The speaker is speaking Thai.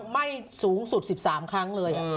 ไหม้สูงสุด๑๓ครั้งเลย